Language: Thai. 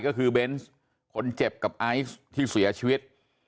ก็คือเป็นคนเจ็บกับอายท์ที่เสียชีวิต